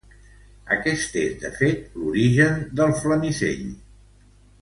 Aquest és, de fet, l'origen del Flamisell.